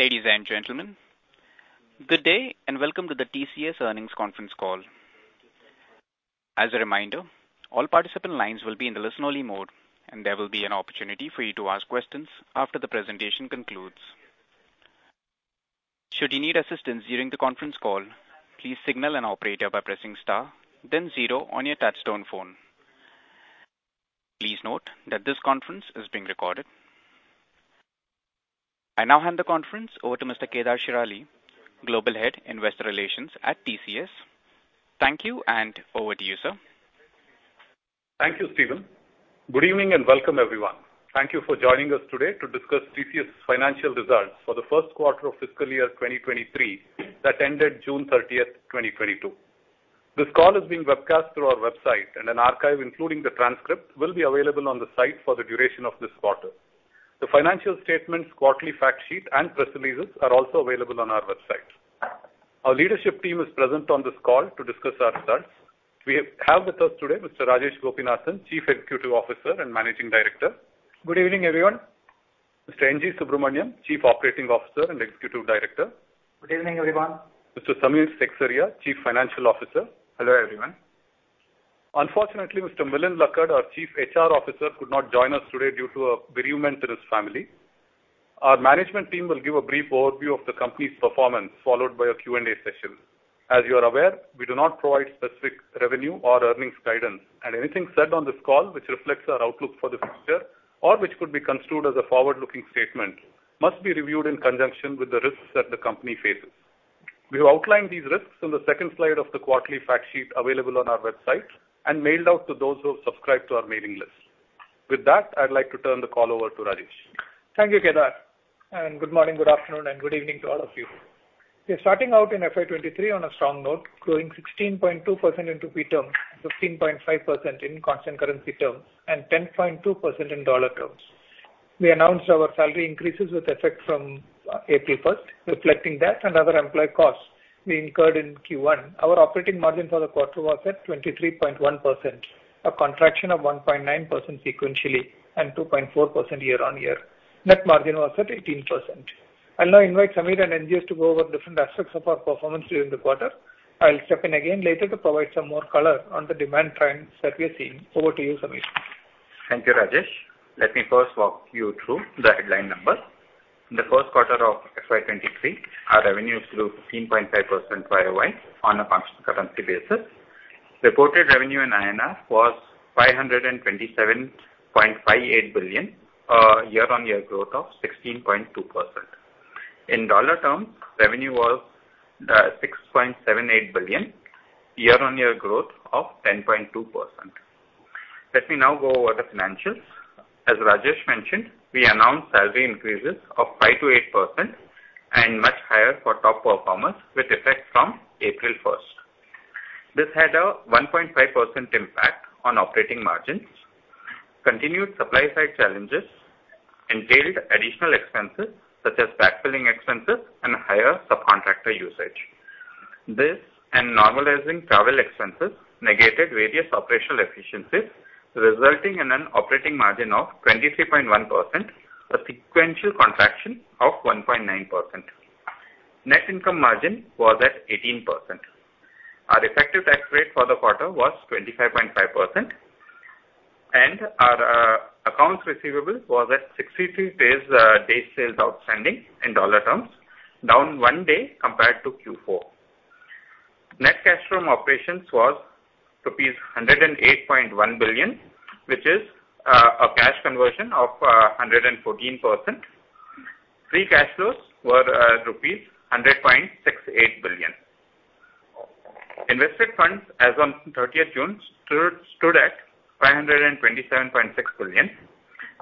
Ladies and gentlemen, good day, and welcome to the TCS Earnings Conference Call. As a reminder, all participant lines will be in the listen-only mode, and there will be an opportunity for you to ask questions after the presentation concludes. Should you need assistance during the conference call, please signal an operator by pressing star then zero on your touch-tone phone. Please note that this conference is being recorded. I now hand the conference over to Mr. Kedar Shirali, Global Head, Investor Relations at TCS. Thank you, and over to you, sir. Thank you, Steven. Good evening, and welcome, everyone. Thank you for joining us today to discuss TCS' financial results for the first quarter of fiscal year 2023 that ended June 30, 2022. This call is being webcast through our website, and an archive, including the transcript, will be available on the site for the duration of this quarter. The financial statements, quarterly fact sheet, and press releases are also available on our website. Our leadership team is present on this call to discuss our results. We have with us today Mr. Rajesh Gopinathan, Chief Executive Officer and Managing Director. Good evening, everyone. Mr. N.G. Subramaniam, Chief Operating Officer and Executive Director. Good evening, everyone. Mr. Samir Seksaria, Chief Financial Officer. Hello, everyone. Unfortunately, Mr. Milind Lakkad, our Chief HR Officer, could not join us today due to a bereavement in his family. Our management team will give a brief overview of the company's performance, followed by a Q&A session. As you are aware, we do not provide specific revenue or earnings guidance, and anything said on this call which reflects our outlook for the future or which could be construed as a forward-looking statement must be reviewed in conjunction with the risks that the company faces. We have outlined these risks on the second slide of the quarterly fact sheet available on our website and mailed out to those who have subscribed to our mailing list. With that, I'd like to turn the call over to Rajesh. Thank you, Kedar, and good morning, good afternoon, and good evening to all of you. We're starting out in FY 2023 on a strong note, growing 16.2% in rupee terms, 15.5% in constant currency terms, and 10.2% in dollar terms. We announced our salary increases with effect from April 1st, reflecting that and other employee costs we incurred in Q1. Our operating margin for the quarter was at 23.1%, a contraction of 1.9% sequentially and 2.4% year-on-year. Net margin was at 18%. I'll now invite Samir and NGS to go over different aspects of our performance during the quarter. I'll step in again later to provide some more color on the demand trends that we are seeing. Over to you, Samir. Thank you, Rajesh. Let me first walk you through the headline numbers. In the first quarter of FY 2023, our revenues grew 15.5% YoY on a constant currency basis. Reported revenue in INR was 527.58 billion INR, a year-on-year growth of 16.2%. In dollar terms, revenue was $6.78 billion, year-on-year growth of 10.2%. Let me now go over the financials. As Rajesh mentioned, we announced salary increases of 5%-8% and much higher for top performers with effect from April 1st. This had a 1.5% impact on operating margins. Continued supply-side challenges entailed additional expenses such as backfilling expenses and higher subcontractor usage. This and normalizing travel expenses negated various operational efficiencies, resulting in an operating margin of 23.1%, a sequential contraction of 1.9%. Net income margin was at 18%. Our effective tax rate for the quarter was 25.5%, and our accounts receivable was at 63 days sales outstanding in dollar terms, down 1 day compared to Q4. Net cash from operations was rupees 108.1 billion, which is a cash conversion of 114%. Free cash flows were rupees 100.68 billion. Invested funds as on 30th June stood at 527.6 billion,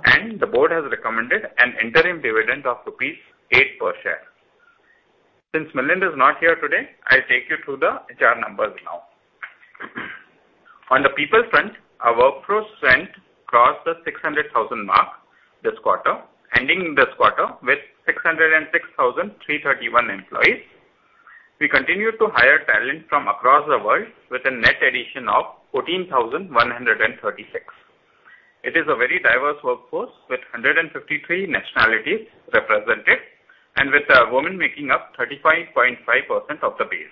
and the board has recommended an interim dividend of rupees 8 per share. Since Milind is not here today, I'll take you through the HR numbers now. On the people front, our workforce strength crossed the 600,000 mark this quarter, ending this quarter with 606,331 employees. We continue to hire talent from across the world with a net addition of 14,136. It is a very diverse workforce with 153 nationalities represented, and with women making up 35.5% of the base.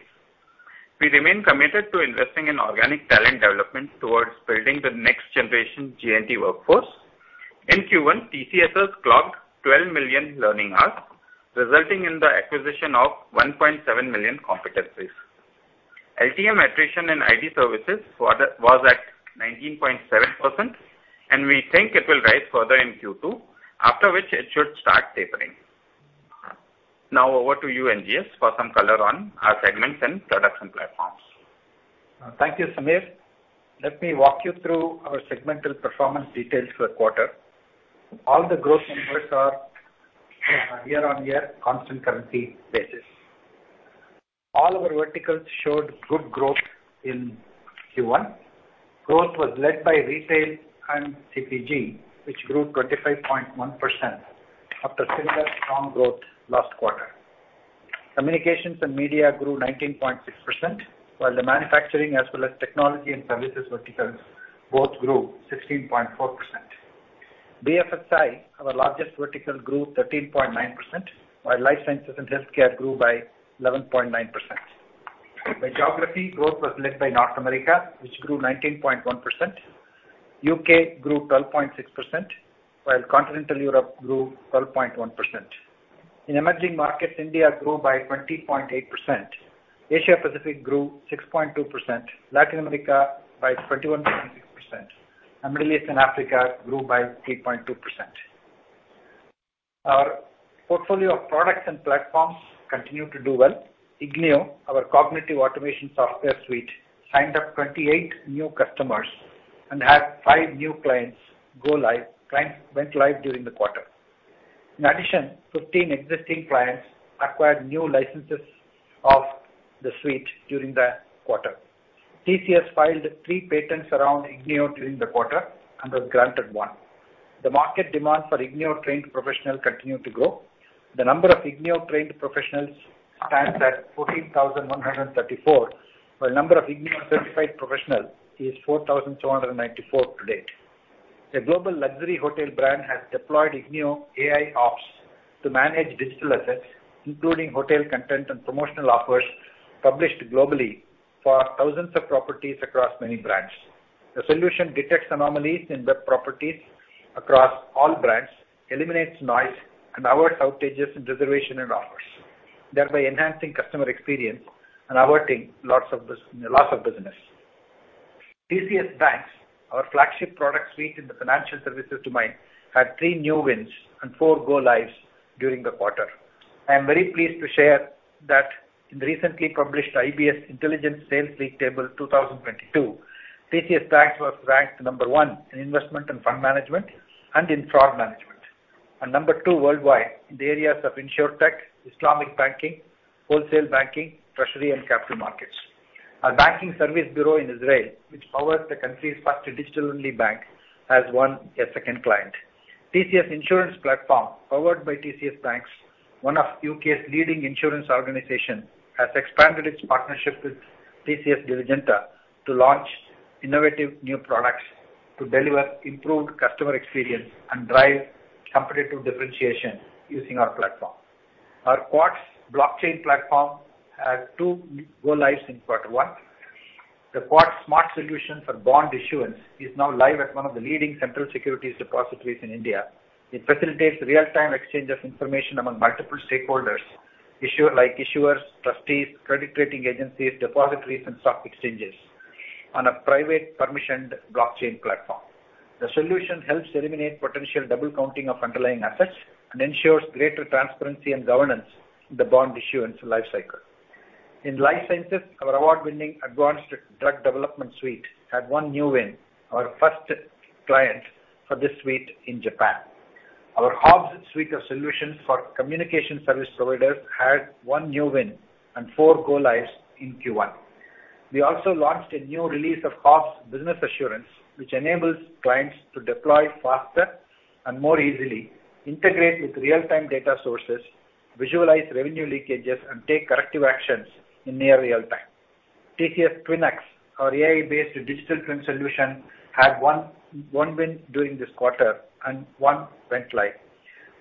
We remain committed to investing in organic talent development towards building the next generation G&T workforce. In Q1, TCS clocked 12 million learning hours, resulting in the acquisition of 1.7 million competencies. LTM attrition in IT services was at 19.7%, and we think it will rise further in Q2, after which it should start tapering. Now over to you, NGS, for some color on our segments and products and platforms. Thank you, Samir. Let me walk you through our segmental performance details for the quarter. All the growth numbers are year-on-year constant currency basis. All our verticals showed good growth in Q1. Growth was led by retail and CPG, which grew 25.1% after similar strong growth last quarter. Communications and media grew 19.6%, while the manufacturing as well as technology and services verticals both grew 16.4%. BFSI, our largest vertical, grew 13.9%, while life sciences and healthcare grew by 11.9%. By geography, growth was led by North America, which grew 19.1%. U.K. grew 12.6%, while continental Europe grew 12.1%. In emerging markets, India grew by 20.8%. Asia Pacific grew 6.2%, Latin America by 21.6%, and Middle East and Africa grew by 3.2%. Our portfolio of products and platforms continue to do well. ignio, our cognitive automation software suite, signed up 28 new customers and had five new clients go live during the quarter. In addition, 15 existing clients acquired new licenses of the suite during the quarter. TCS filed three patents around ignio during the quarter and was granted one. The market demand for ignio-trained professionals continued to grow. The number of ignio-trained professionals stands at 14,134, while number of ignio-certified professionals is 4,294 today. A global luxury hotel brand has deployed ignio AIOps to manage digital assets, including hotel content and promotional offers published globally for thousands of properties across many brands. The solution detects anomalies in web properties across all brands, eliminates noise, and avoids outages in reservation and offers, thereby enhancing customer experience and averting lots of business loss. TCS BaNCS, our flagship product suite in the financial services domain, had three new wins and four go lives during the quarter. I am very pleased to share that in the recently published IBS Intelligence Sales League Table 2022, TCS BaNCS was ranked number one in investment and fund management and in fraud management, and number two worldwide in the areas of InsurTech, Islamic banking, wholesale banking, treasury and capital markets. Our banking service bureau in Israel, which powers the country's first digital-only bank, has won a second client. TCS insurance platform, powered by TCS BaNCS, one of UK's leading insurance organizations, has expanded its partnership with TCS Diligenta to launch innovative new products to deliver improved customer experience and drive competitive differentiation using our platform. Our Quartz blockchain platform had two go lives in quarter one. The Quartz smart solution for bond issuance is now live at one of the leading central securities depositories in India. It facilitates real-time exchange of information among multiple stakeholders, like issuers, trustees, credit rating agencies, depositories, and stock exchanges on a private permissioned blockchain platform. The solution helps eliminate potential double counting of underlying assets and ensures greater transparency and governance in the bond issuance life cycle. In life sciences, our award-winning advanced drug development suite had one new win, our first client for this suite in Japan. Our HOBS suite of solutions for communication service providers had one new win and four go lives in Q1. We also launched a new release of HOBS Business Assurance, which enables clients to deploy faster and more easily, integrate with real-time data sources, visualize revenue leakages, and take corrective actions in near real time. TCS TwinX, our AI-based digital twin solution, had one win during this quarter and one went live.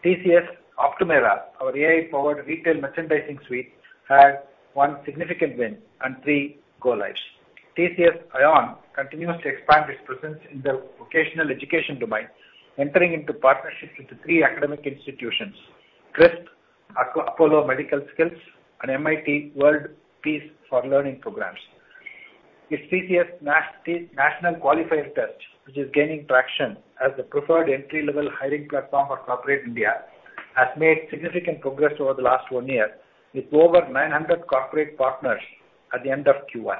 TCS Optumera, our AI-powered retail merchandising suite, had one significant win and three go lives. TCS iON continuously expand its presence in the vocational education domain, entering into partnerships with three academic institutions, Crisp, Apollo Medskills, and MIT World Peace University for learning programs. It's TCS National Qualifier Test, which is gaining traction as the preferred entry-level hiring platform for corporate India, has made significant progress over the last 1 year with over 900 corporate partners at the end of Q1.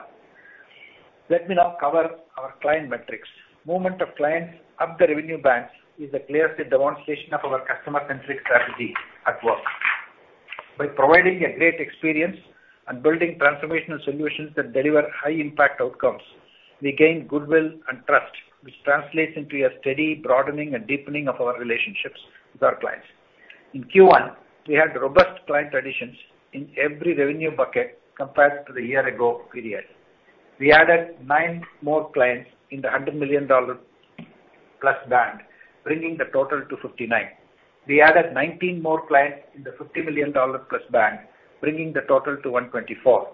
Let me now cover our client metrics. Movement of clients up the revenue bands is the clearest demonstration of our customer-centric strategy at work. By providing a great experience and building transformational solutions that deliver high impact outcomes, we gain goodwill and trust, which translates into a steady broadening and deepening of our relationships with our clients. In Q1, we had robust client additions in every revenue band compared to the year ago period. We added nine more clients in the $100 million-plus band, bringing the total to 59. We added 19 more clients in the $50 million-plus band, bringing the total to 124.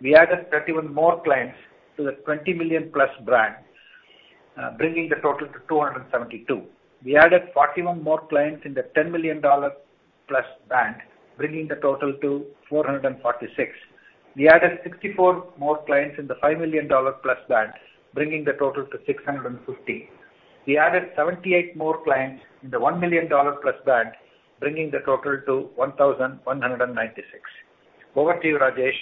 We added 31 more clients to the $20 million-plus band, bringing the total to 272. We added 41 more clients in the $10 million-plus band, bringing the total to 446. We added 64 more clients in the $5 million-plus band, bringing the total to 650. We added 78 more clients in the $1 million-plus band, bringing the total to 1,196. Over to you, Rajesh,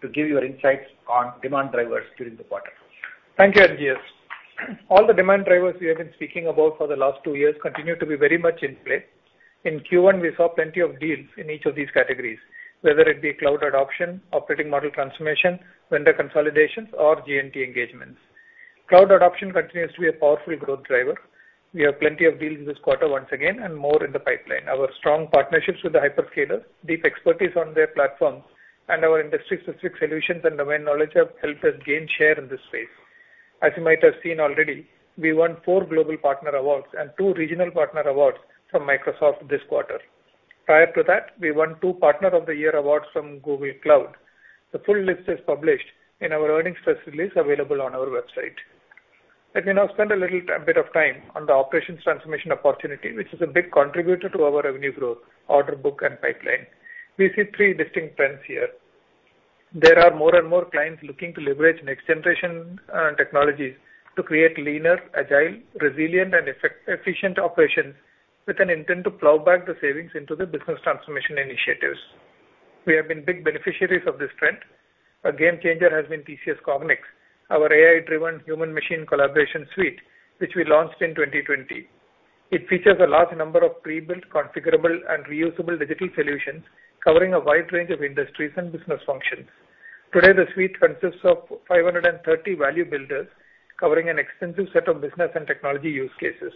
to give your insights on demand drivers during the quarter. Thank you, NGS. All the demand drivers we have been speaking about for the last two years continue to be very much in play. In Q1, we saw plenty of deals in each of these categories, whether it be cloud adoption, operating model transformation, vendor consolidations or G&T engagements. Cloud adoption continues to be a powerful growth driver. We have plenty of deals in this quarter once again and more in the pipeline. Our strong partnerships with the hyperscalers, deep expertise on their platforms, and our industry-specific solutions and domain knowledge have helped us gain share in this space. As you might have seen already, we won four global partner awards and two regional partner awards from Microsoft this quarter. Prior to that, we won two Partner of the Year awards from Google Cloud. The full list is published in our earnings press release available on our website. Let me now spend a little bit of time on the operations transformation opportunity, which is a big contributor to our revenue growth, order book, and pipeline. We see three distinct trends here. There are more and more clients looking to leverage next-generation technologies to create leaner, agile, resilient, and efficient operations with an intent to plow back the savings into the business transformation initiatives. We have been big beneficiaries of this trend. A game changer has been TCS Cognix, our AI-driven human machine collaboration suite, which we launched in 2020. It features a large number of pre-built, configurable and reusable digital solutions covering a wide range of industries and business functions. Today, the suite consists of 530 value builders covering an extensive set of business and technology use cases.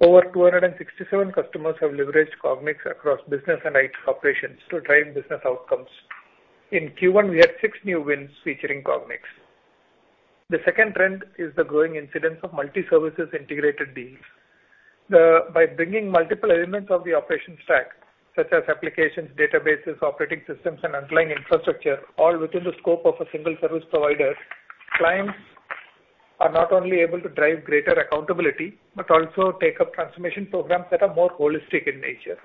Over 267 customers have leveraged Cognix across business and IT operations to drive business outcomes. In Q1, we had six new wins featuring Cognix. The second trend is the growing incidence of multi-services integrated deals. By bringing multiple elements of the operations stack, such as applications, databases, operating systems, and underlying infrastructure, all within the scope of a single service provider, clients are not only able to drive greater accountability, but also take up transformation programs that are more holistic in nature.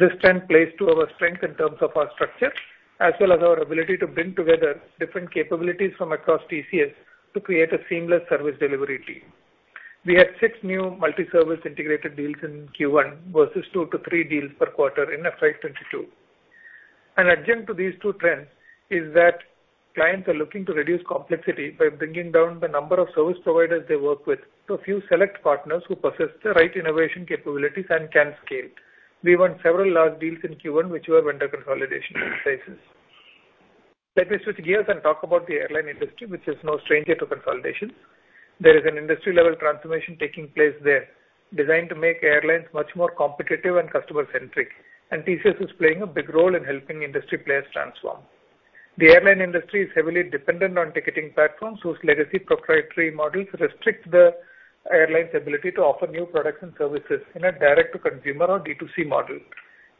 This trend plays to our strength in terms of our structure, as well as our ability to bring together different capabilities from across TCS to create a seamless service delivery team. We had 6 new multi-service integrated deals in Q1 versus 2-3 deals per quarter in FY 2022. An adjunct to these two trends is that clients are looking to reduce complexity by bringing down the number of service providers they work with to a few select partners who possess the right innovation capabilities and can scale. We won several large deals in Q1 which were vendor consolidation exercises. Let me switch gears and talk about the airline industry, which is no stranger to consolidation. There is an industry-level transformation taking place there designed to make airlines much more competitive and customer-centric, and TCS is playing a big role in helping industry players transform. The airline industry is heavily dependent on ticketing platforms whose legacy proprietary models restrict the airline's ability to offer new products and services in a direct-to-consumer or D2C model.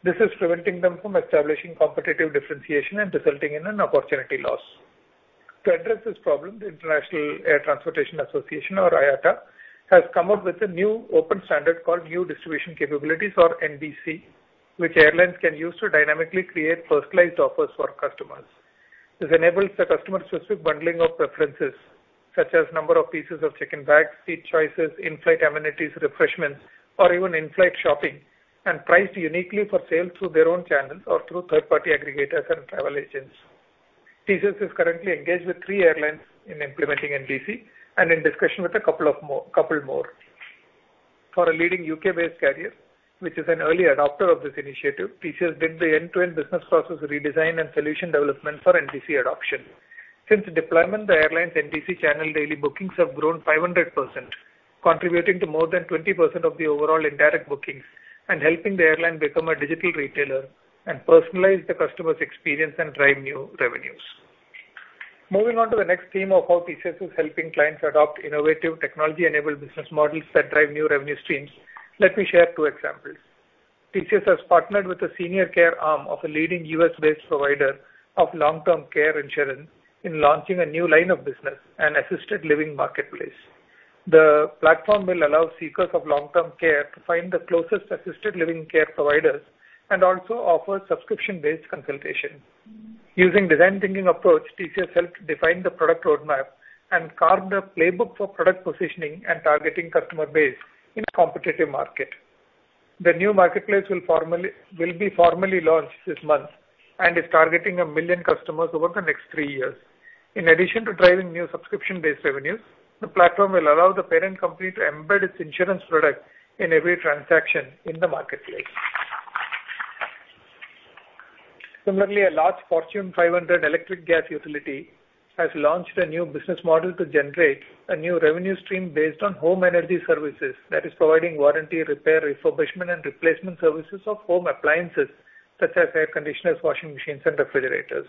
This is preventing them from establishing competitive differentiation and resulting in an opportunity loss. To address this problem, the International Air Transport Association, or IATA, has come up with a new open standard called New Distribution Capability, or NDC, which airlines can use to dynamically create personalized offers for customers. This enables the customer-specific bundling of preferences such as number of pieces of check-in bags, seat choices, in-flight amenities, refreshments, or even in-flight shopping, and priced uniquely for sale through their own channels or through third-party aggregators and travel agents. TCS is currently engaged with three airlines in implementing NDC and in discussion with a couple more. For a leading UK-based carrier, which is an early adopter of this initiative, TCS did the end-to-end business process redesign and solution development for NDC adoption. Since deployment, the airline's NDC channel daily bookings have grown 500%, contributing to more than 20% of the overall indirect bookings and helping the airline become a digital retailer and personalize the customer's experience and drive new revenues. Moving on to the next theme of how TCS is helping clients adopt innovative technology-enabled business models that drive new revenue streams, let me share two examples. TCS has partnered with the senior care arm of a leading US-based provider of long-term care insurance in launching a new line of business, an assisted living marketplace. The platform will allow seekers of long-term care to find the closest assisted living care providers and also offer subscription-based consultation. Using design thinking approach, TCS helped define the product roadmap and carved a playbook for product positioning and targeting customer base in a competitive market. The new marketplace will be formally launched this month and is targeting 1 million customers over the next three years. In addition to driving new subscription-based revenues, the platform will allow the parent company to embed its insurance product in every transaction in the marketplace. Similarly, a large Fortune 500 electric gas utility has launched a new business model to generate a new revenue stream based on home energy services, that is providing warranty, repair, refurbishment, and replacement services of home appliances such as air conditioners, washing machines, and refrigerators.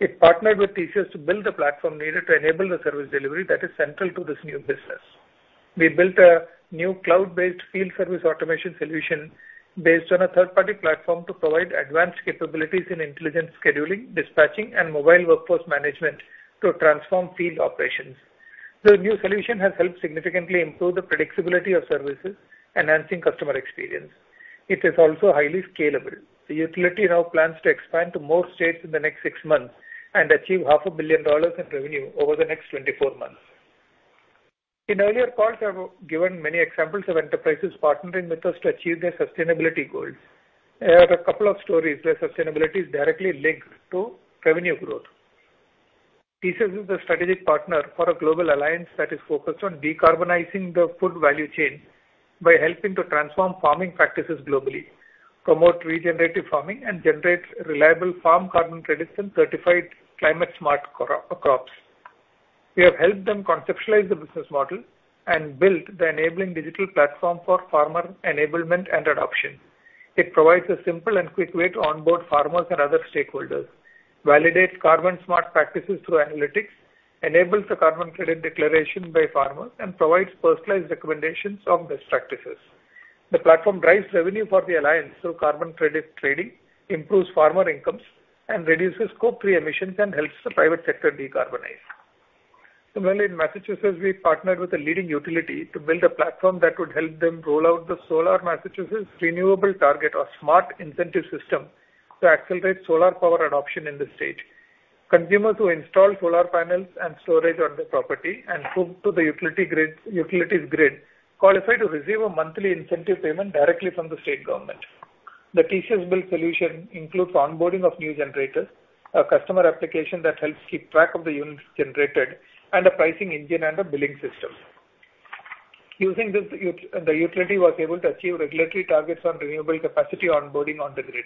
It partnered with TCS to build the platform needed to enable the service delivery that is central to this new business. We built a new cloud-based field service automation solution based on a third-party platform to provide advanced capabilities in intelligent scheduling, dispatching, and mobile workforce management to transform field operations. The new solution has helped significantly improve the predictability of services, enhancing customer experience. It is also highly scalable. The utility now plans to expand to more states in the next six months and achieve half a billion dollars in revenue over the next 24 months. In earlier calls, I have given many examples of enterprises partnering with us to achieve their sustainability goals. I have a couple of stories where sustainability is directly linked to revenue growth. TCS is the strategic partner for a global alliance that is focused on decarbonizing the food value chain. By helping to transform farming practices globally, promote regenerative farming, and generate reliable farm carbon credits and certified climate-smart crops. We have helped them conceptualize the business model and build the enabling digital platform for farmer enablement and adoption. It provides a simple and quick way to onboard farmers and other stakeholders, validates carbon-smart practices through analytics, enables the carbon credit declaration by farmers, and provides personalized recommendations of best practices. The platform drives revenue for the alliance through carbon credit trading, improves farmer incomes, and reduces scope three emissions and helps the private sector decarbonize. Similarly, in Massachusetts, we partnered with a leading utility to build a platform that would help them roll out the Solar Massachusetts Renewable Target, or SMART incentive system, to accelerate solar power adoption in the state. Consumers who install solar panels and storage on their property and hook to the utility grid, utility's grid qualify to receive a monthly incentive payment directly from the state government. The TCS-built solution includes onboarding of new generators, a customer application that helps keep track of the units generated, and a pricing engine and a billing system. Using this utility was able to achieve regulatory targets on renewable capacity onboarding on the grid.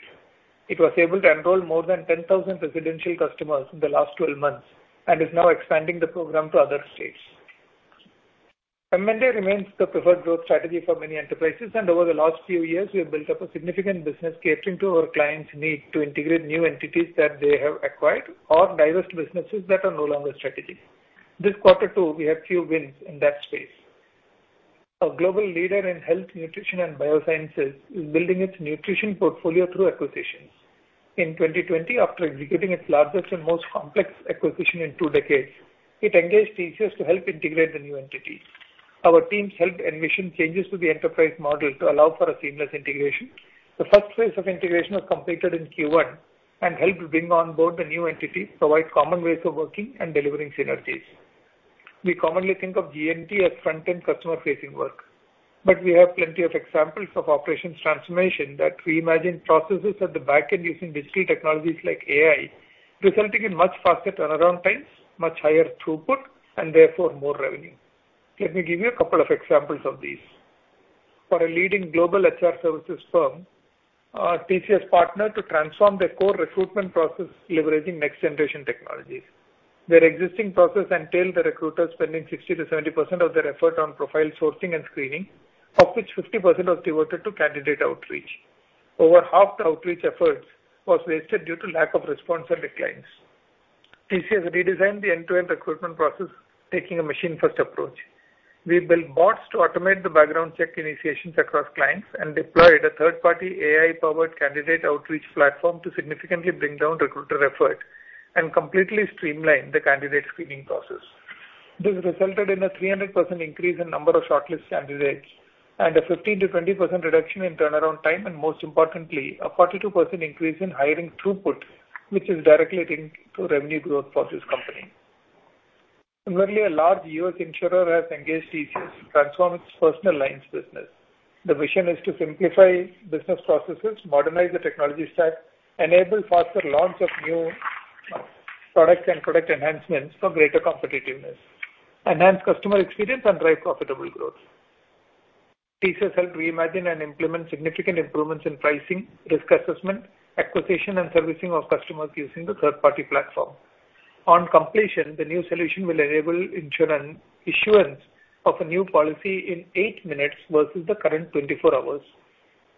It was able to enroll more than 10,000 residential customers in the last 12 months, and is now expanding the program to other states. M&A remains the preferred growth strategy for many enterprises, and over the last few years, we have built up a significant business catering to our clients' need to integrate new entities that they have acquired or divest businesses that are no longer strategic. This quarter, too, we have few wins in that space. A global leader in health, nutrition, and biosciences is building its nutrition portfolio through acquisitions. In 2020, after executing its largest and most complex acquisition in two decades, it engaged TCS to help integrate the new entities. Our teams helped system changes to the enterprise model to allow for a seamless integration. The first phase of integration was completed in Q1 and helped bring on board the new entity, provide common ways of working, and delivering synergies. We commonly think of G&T as front-end customer-facing work, but we have plenty of examples of operations transformation that reimagine processes at the back end using digital technologies like AI, resulting in much faster turnaround times, much higher throughput, and therefore more revenue. Let me give you a couple of examples of these. For a leading global HR services firm, TCS partnered to transform their core recruitment process leveraging next-generation technologies. Their existing process entailed the recruiters spending 60%-70% of their effort on profile sourcing and screening, of which 50% was devoted to candidate outreach. Over half the outreach efforts was wasted due to lack of response and declines. TCS redesigned the end-to-end recruitment process, taking a machine-first approach. We built bots to automate the background check initiations across clients and deployed a third-party AI-powered candidate outreach platform to significantly bring down recruiter effort and completely streamline the candidate screening process. This resulted in a 300% increase in number of shortlisted candidates and a 15%-20% reduction in turnaround time, and most importantly, a 42% increase in hiring throughput, which is directly linked to revenue growth for this company. Similarly, a large U.S. insurer has engaged TCS to transform its personal lines business. The vision is to simplify business processes, modernize the technology stack, enable faster launch of new products and product enhancements for greater competitiveness, enhance customer experience, and drive profitable growth. TCS helped reimagine and implement significant improvements in pricing, risk assessment, acquisition, and servicing of customers using the third-party platform. On completion, the new solution will enable issuance of a new policy in eight minutes versus the current 24 hours.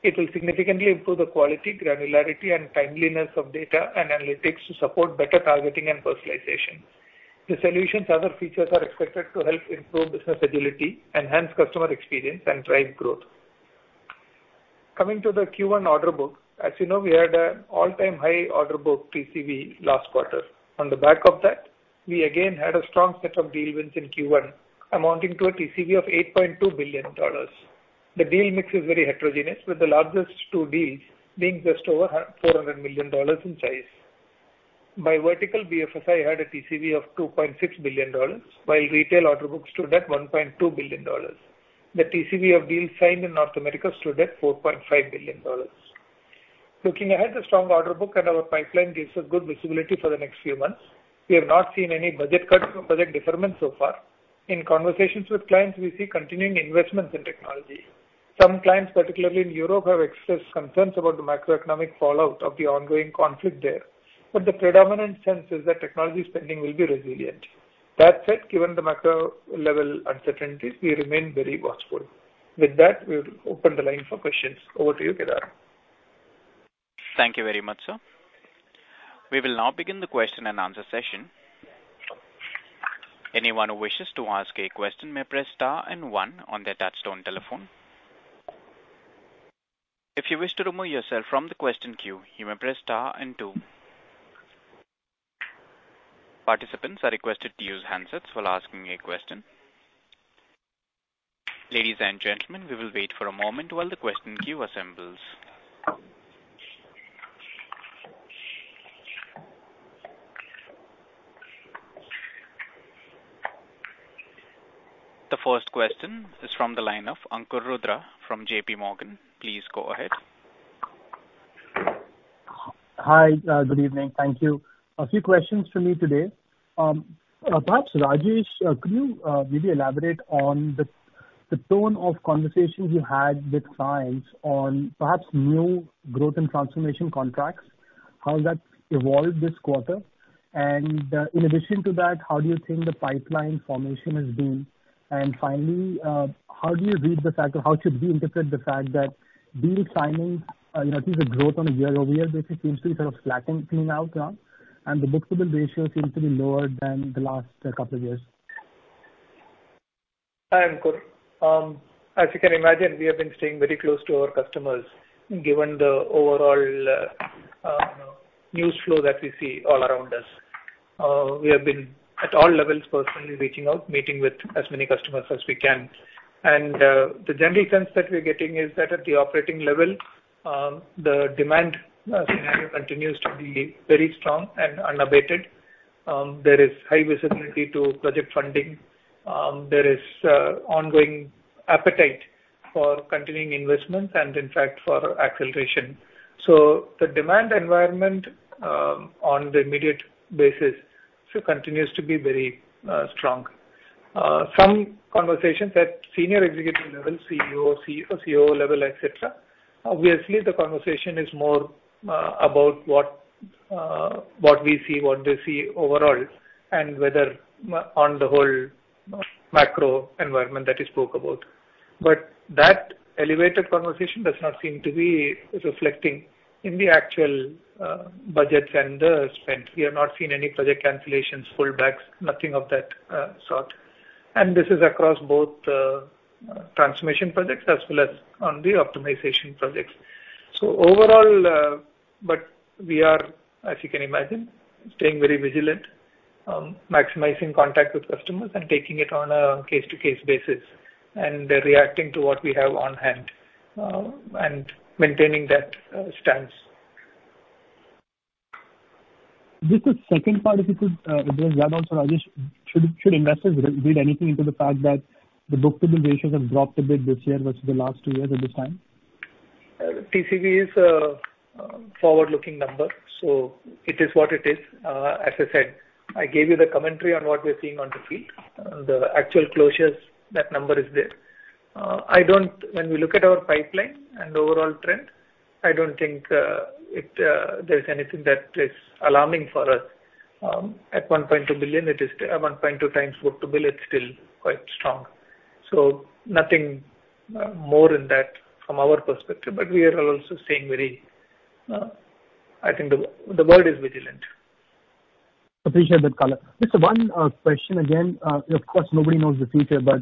It will significantly improve the quality, granularity, and timeliness of data and analytics to support better targeting and personalization. The solution's other features are expected to help improve business agility, enhance customer experience, and drive growth. Coming to the Q1 order book. As you know, we had an all-time high order book TCV last quarter. On the back of that, we again had a strong set of deal wins in Q1, amounting to a TCV of $8.2 billion. The deal mix is very heterogeneous, with the largest two deals being just over $400 million in size. By vertical, BFSI had a TCV of $2.6 billion, while retail order book stood at $1.2 billion. The TCV of deals signed in North America stood at $4.5 billion. Looking ahead, the strong order book and our pipeline gives us good visibility for the next few months. We have not seen any budget cuts or project deferment so far. In conversations with clients, we see continuing investments in technology. Some clients, particularly in Europe, have expressed concerns about the macroeconomic fallout of the ongoing conflict there, but the predominant sense is that technology spending will be resilient. That said, given the macro level uncertainties, we remain very watchful. With that, we will open the line for questions. Over to you, Kedar. Thank you very much, sir. We will now begin the question-and-answer session. Anyone who wishes to ask a question may press star and one on their touchtone telephone. If you wish to remove yourself from the question queue, you may press star and two. Participants are requested to use handsets while asking a question. Ladies and gentlemen, we will wait for a moment while the question queue assembles. The first question is from the line of Ankur Rudra from JP Morgan. Please go ahead. Hi, good evening. Thank you. A few questions from me today. Perhaps, Rajesh, could you maybe elaborate on the tone of conversations you had with clients on perhaps new growth and transformation contracts, how that's evolved this quarter? In addition to that, how do you think the pipeline formation has been? Finally, how do you read the fact or how should we interpret the fact that deal signings, you know, at least the growth on a year-over-year basis seems to be sort of flattening out now, and the book-to-bill ratio seems to be lower than the last couple of years. Hi, Ankur. As you can imagine, we have been staying very close to our customers, given the overall news flow that we see all around us. We have been at all levels personally reaching out, meeting with as many customers as we can. The general sense that we're getting is that at the operating level, the demand scenario continues to be very strong and unabated. There is high visibility to project funding. There is ongoing appetite for continuing investments and in fact for acceleration. The demand environment on the immediate basis continues to be very strong. Some conversations at senior executive level, CEO, COO level, et cetera. Obviously the conversation is more about what we see, what they see overall, and on the whole macro environment that we spoke about. That elevated conversation does not seem to be reflecting in the actual budgets and the spend. We have not seen any project cancellations, pullbacks, nothing of that sort. This is across both transformation projects as well as on the optimization projects. Overall, we are, as you can imagine, staying very vigilant, maximizing contact with customers and taking it on a case-by-case basis, and reacting to what we have on hand, and maintaining that stance. Just a second part, if you could, address that also, Rajesh. Should investors read anything into the fact that the book-to-bill ratios have dropped a bit this year versus the last two years at this time? TCV is a forward-looking number, so it is what it is. As I said, I gave you the commentary on what we're seeing on the field. The actual closures, that number is there. When we look at our pipeline and overall trend, I don't think there's anything that is alarming for us. At $1.2 billion, it is at 1.2 times book-to-bill, it's still quite strong. Nothing more in that from our perspective. We are also staying very. I think the world is vigilant. Appreciate that color. Just one question again. Of course, nobody knows the future, but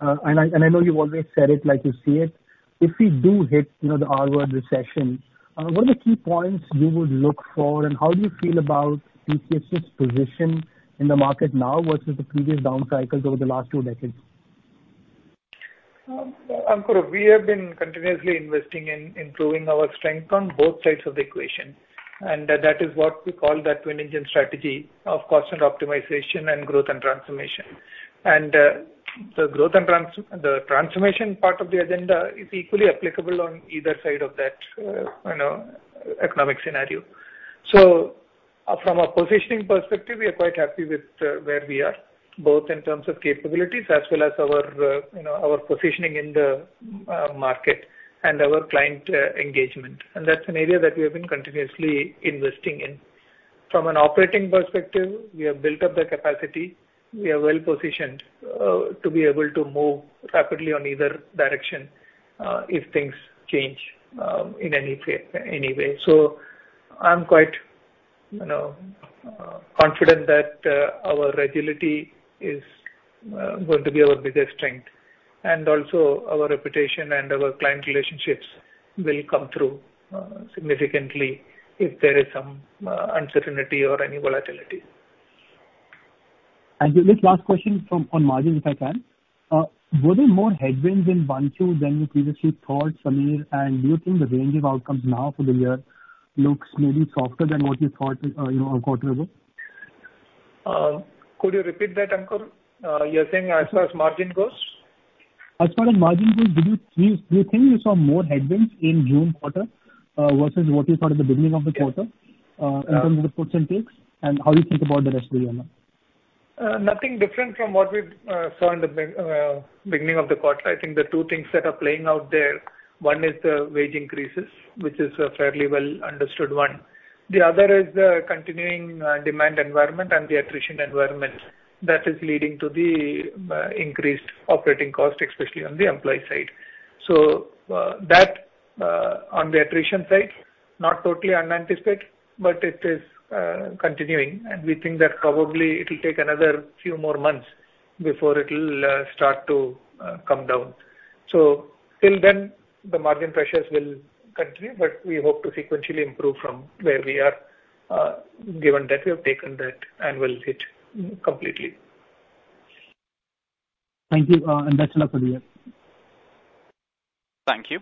and I know you've always said it like you see it. If we do hit, you know, the R-word recession, what are the key points you would look for, and how do you feel about TCS's position in the market now versus the previous down cycles over the last two decades? Ankur, we have been continuously investing in improving our strength on both sides of the equation, and that is what we call the twin engine strategy of constant optimization and growth and transformation. The growth and the transformation part of the agenda is equally applicable on either side of that, you know, economic scenario. From a positioning perspective, we are quite happy with where we are, both in terms of capabilities as well as our, you know, our positioning in the market and our client engagement. That's an area that we have been continuously investing in. From an operating perspective, we have built up the capacity. We are well positioned to be able to move rapidly on either direction if things change in any way. I'm quite, you know, confident that our agility is going to be our biggest strength. Also our reputation and our client relationships will come through significantly if there is some uncertainty or any volatility. Just last question from, on margins, if I can. Were there more headwinds in Q2 than you previously thought, Samir? Do you think the range of outcomes now for the year looks maybe softer than what you thought, a quarter ago? Could you repeat that, Ankur? You're saying as far as margin goes? As far as margin goes, do you think you saw more headwinds in June quarter versus what you thought at the beginning of the quarter in terms of the puts and takes, and how you think about the rest of the year now? Nothing different from what we saw in the beginning of the quarter. I think the two things that are playing out there, one is the wage increases, which is a fairly well understood one. The other is the continuing demand environment and the attrition environment that is leading to the increased operating cost, especially on the employee side. That on the attrition side, not totally unanticipated, but it is continuing, and we think that probably it'll take another few more months before it'll start to come down. Till then, the margin pressures will continue, but we hope to sequentially improve from where we are, given that we have taken that and will hit completely. Thank you. That's all for me. Thank you.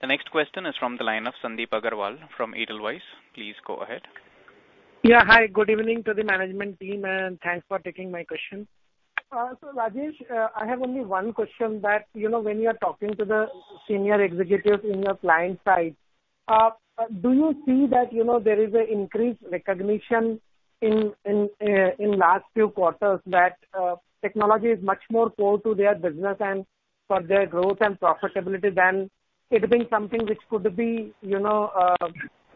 The next question is from the line of Sandip Agarwal from Edelweiss. Please go ahead. Yeah. Hi, good evening to the management team, and thanks for taking my question. Rajesh, I have only one question that, you know, when you are talking to the senior executive in your client side, do you see that, you know, there is an increased recognition in last few quarters that technology is much more core to their business and for their growth and profitability than it being something which could be, you know,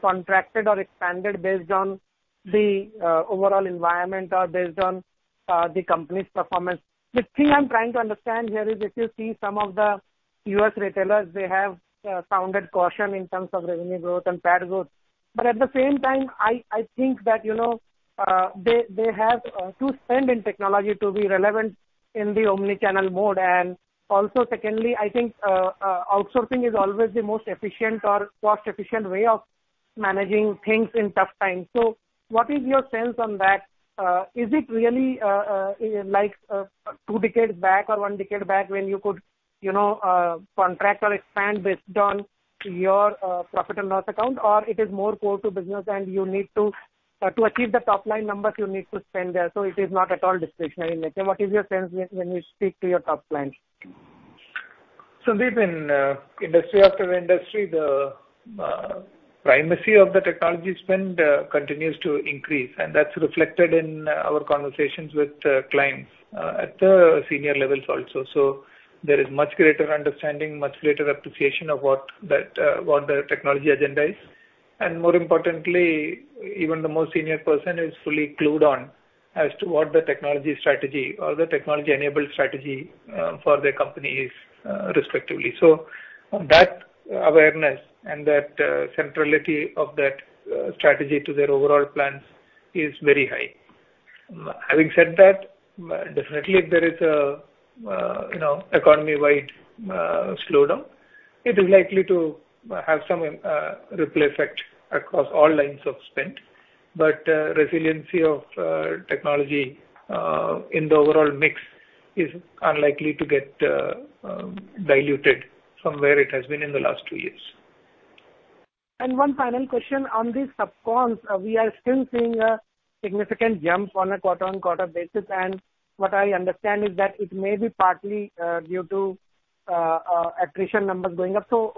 contracted or expanded based on the overall environment or based on the company's performance? The thing I'm trying to understand here is if you see some of the U.S. retailers, they have sounded caution in terms of revenue growth and bad growth. At the same time, I think that, you know, they have to spend in technology to be relevant in the omni-channel mode. Also secondly, I think outsourcing is always the most efficient or cost-efficient way of managing things in tough times. What is your sense on that? Is it really like two decades back or one decade back when you could, you know, contract or expand based on your profit and loss account, or it is more core to business and you need to achieve the top-line numbers you need to spend there, so it is not at all discretionary measure. What is your sense when you speak to your top clients? Sandeep, in industry after industry, the primacy of the technology spend continues to increase, and that's reflected in our conversations with clients at the senior levels also. There is much greater understanding, much greater appreciation of what the technology agenda is. More importantly, even the most senior person is fully clued on as to what the technology strategy or the technology-enabled strategy for their company is, respectively. That awareness and that centrality of that strategy to their overall plans is very high. Having said that, definitely if there is a you know, economy-wide slowdown, it is likely to have some ripple effect across all lines of spend. Resiliency of technology in the overall mix is unlikely to get diluted from where it has been in the last two years. One final question on the subcons. We are still seeing a significant jump on a quarter-on-quarter basis, and what I understand is that it may be partly due to attrition numbers going up. So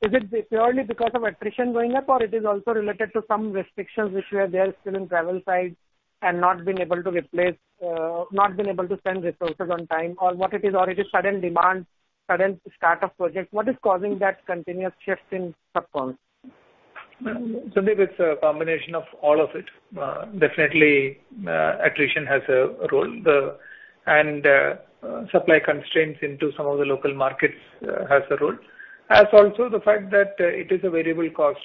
is it purely because of attrition going up, or it is also related to some restrictions which were there still in travel side and not been able to replace, not been able to spend resources on time? Or what it is? Or it is sudden demand, sudden start of projects. What is causing that continuous shift in subcons? Sandeep, it's a combination of all of it. Definitely, attrition has a role. Supply constraints into some of the local markets has a role. As also the fact that it is a variable cost,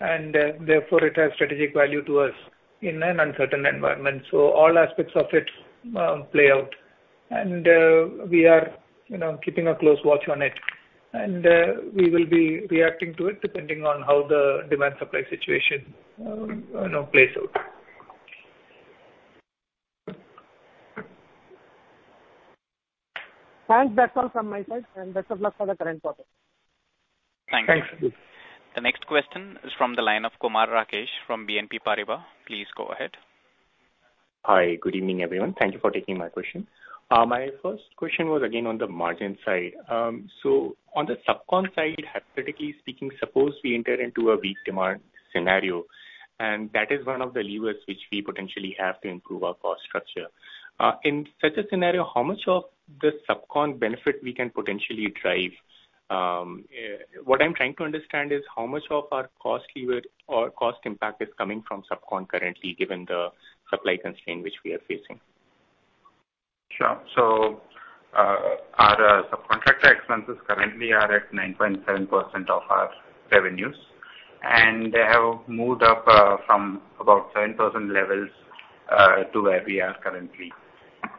and therefore it has strategic value to us in an uncertain environment. All aspects of it play out. We are, you know, keeping a close watch on it. We will be reacting to it depending on how the demand supply situation, you know, plays out. Thanks. That's all from my side. Best of luck for the current quarter. Thank you. Thanks. The next question is from the line of Kumar Rakesh from BNP Paribas. Please go ahead. Hi. Good evening, everyone. Thank you for taking my question. My first question was again on the margin side. On the subcon side, hypothetically speaking, suppose we enter into a weak demand scenario, and that is one of the levers which we potentially have to improve our cost structure. In such a scenario, how much of the subcon benefit we can potentially drive? What I'm trying to understand is how much of our cost lever or cost impact is coming from subcon currently, given the supply constraint which we are facing. Sure. Our subcontractor expenses currently are at 9.7% of our revenues, and they have moved up from about 7% levels to where we are currently.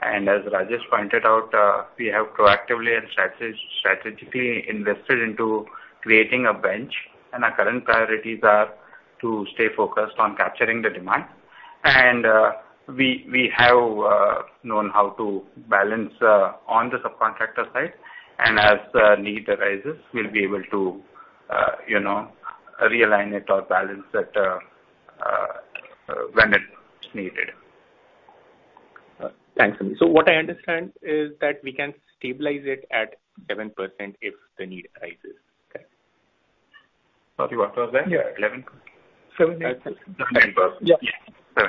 As Rajesh pointed out, we have proactively and strategically invested into creating a bench, and our current priorities are to stay focused on capturing the demand. We have known how to balance on the subcontractor side, and as need arises, we'll be able to you know, realign it or balance that when it's needed. Thanks, Samir Seksaria. What I understand is that we can stabilize it at 7% if the need arises. Okay. Sorry, what was that? Yeah. 11? 7.8%. 7%-8%. Yeah. Yeah.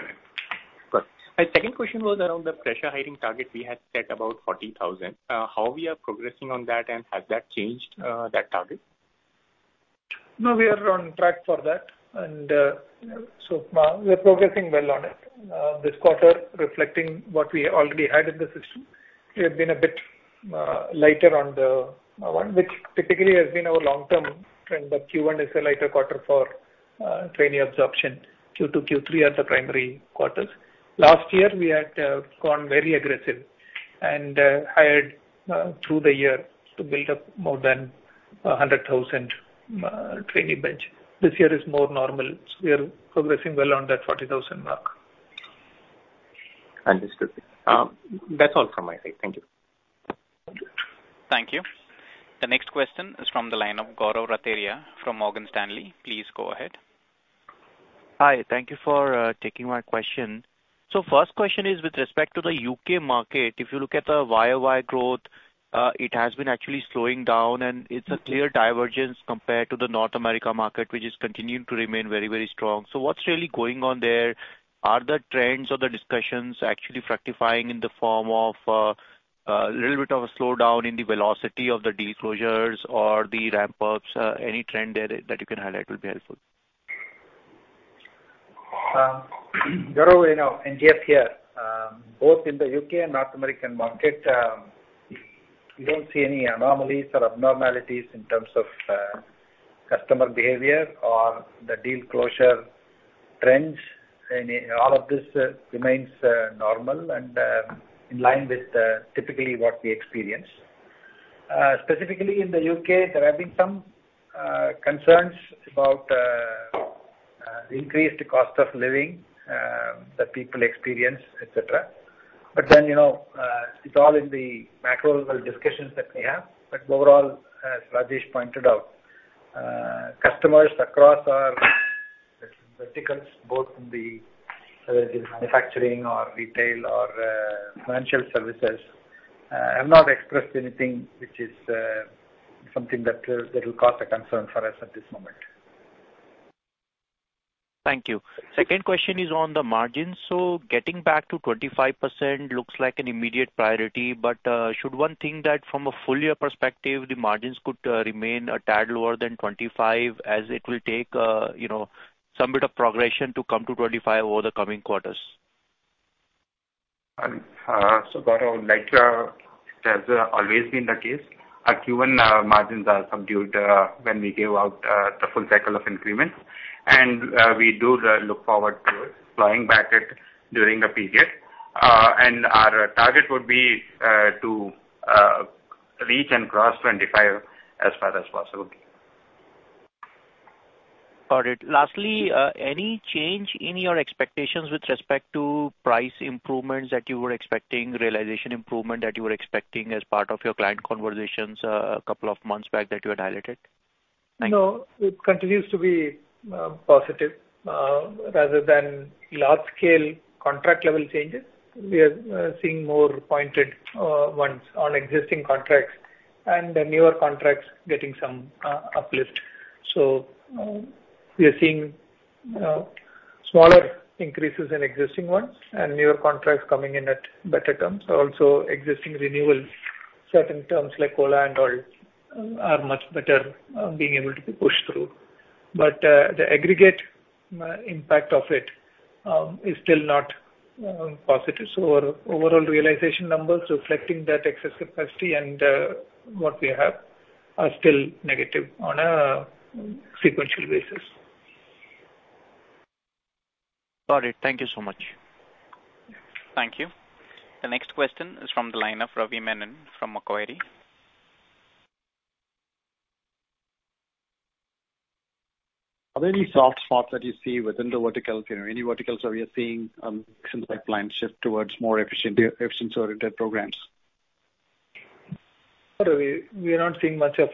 7, 8. Good. My second question was around the fresher hiring target we had set about 40,000. How we are progressing on that, and has that changed, that target? No, we are on track for that. We are progressing well on it. This quarter reflecting what we already had in the system. We have been a bit lighter on the one which typically has been our long-term trend, but Q1 is a lighter quarter for trainee absorption. Q2, Q3 are the primary quarters. Last year we had gone very aggressive and hired through the year to build up more than 100,000 trainee bench. This year is more normal, we are progressing well on that 40,000 mark. Understood. That's all from my side. Thank you. Thank you. The next question is from the line of Gaurav Rateria from Morgan Stanley. Please go ahead. Hi. Thank you for taking my question. First question is with respect to the U.K. market. If you look at the YoY growth, it has been actually slowing down, and it's a clear divergence compared to the North America market, which is continuing to remain very, very strong. What's really going on there? Are the trends or the discussions actually fructifying in the form of a little bit of a slowdown in the velocity of the deal closures or the ramp-ups? Any trend there that you can highlight will be helpful. Gaurav, you know, NGS here, both in the UK and North American market, we don't see any anomalies or abnormalities in terms of customer behavior or the deal closure trends. All of this remains normal and in line with typically what we experience. Specifically in the UK, there have been some concerns about increased cost of living that people experience, et cetera. You know, it's all in the macro level discussions that we have. Overall, as Rajesh pointed out, customers across our verticals, both in the whether it is manufacturing or retail or financial services, have not expressed anything which is something that will cause a concern for us at this moment. Thank you. Second question is on the margins. Getting back to 25% looks like an immediate priority, but should one think that from a full year perspective, the margins could remain a tad lower than 25% as it will take you know some bit of progression to come to 25% over the coming quarters? Gaurav, like, it has always been the case. Our Q1 margins are subdued when we gave out the full cycle of increments. We do look forward to flying back to it during the period. Our target would be to reach and cross 25% as far as possible. Got it. Lastly, any change in your expectations with respect to price improvements that you were expecting, realization improvement that you were expecting as part of your client conversations a couple of months back that you had highlighted? No, it continues to be positive rather than large-scale contract level changes. We are seeing more pointed ones on existing contracts and newer contracts getting some uplift. We are seeing smaller increases in existing ones and newer contracts coming in at better terms. Also existing renewals, certain terms like COLA and OILAD are much better being able to be pushed through. The aggregate impact of it is still not positive. Our overall realization numbers reflecting that excess capacity and what we have are still negative on a sequential basis. Got it. Thank you so much. Thank you. The next question is from the line of Ravi Menon from Macquarie. Are there any soft spots that you see within the vertical? You know, any verticals where we are seeing action pipelines shift towards more efficiency-oriented programs? No, Ravi. We are not seeing nothing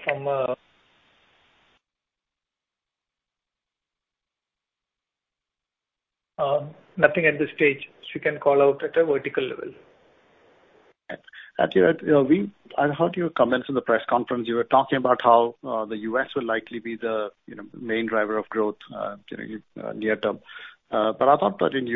at this stage which we can call out at a vertical level. I heard your comments in the press conference. You were talking about how the US will likely be the, you know, main driver of growth during near term. I thought that in